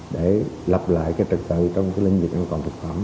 để lập lại trật tự trong lĩnh vực ăn còn thực phẩm